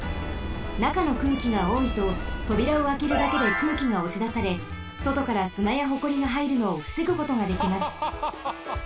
なかの空気がおおいととびらをあけるだけで空気がおしだされそとからすなやホコリがはいるのをふせぐことができます。